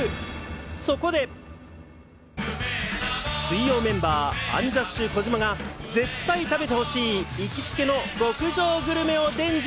そこで、水曜メンバー、アンジャッシュ・児嶋が絶対食べてほしい行きつけの極上グルメを伝授。